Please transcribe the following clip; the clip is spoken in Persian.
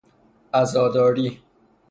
عزاداری